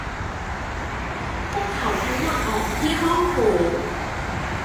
พวกเขาทั้งหมดออกไปที่ห้องโถง